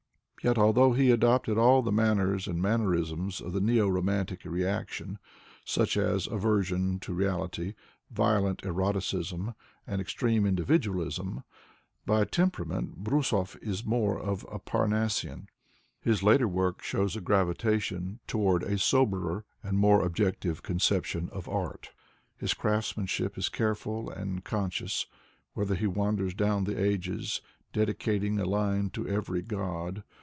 Yet although he adopted all the manners and mannerisms of the such a ahty, iolent eitreme Individuaiism, by temperament Brusov ia more of a Parnassian. His later work dhows a gravitation to ward a soberer and more objective conception of art. Hii craftsmanship 19 careful and conscious, whether he wander* down the ages, dedicating a line to every god.